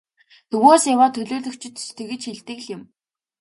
Төвөөс яваа төлөөлөгчид ч тэгж хэлдэг л юм.